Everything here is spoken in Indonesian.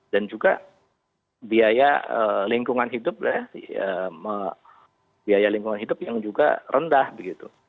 dan juga biaya lingkungan hidup ya biaya lingkungan hidup yang juga rendah begitu